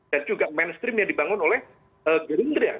dan juga mainstream yang dibangun oleh gerindria